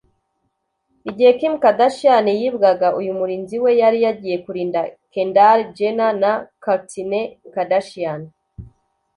Igihe Kim Kardashian yibwaga uyu murinzi we yari yagiye kurinda Kendall Jenner na Kourtney Kardashian